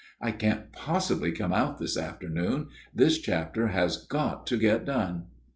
I can't possibly come out this afternoon ; this chapter has got to get done.'